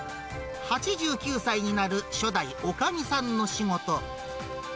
８９歳になる初代おかみさんの仕事。